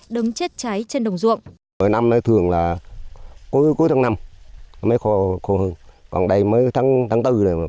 đứng chết cháy trên đồng ruộng